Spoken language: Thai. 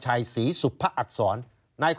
ชีวิตกระมวลวิสิทธิ์สุภาณฑ์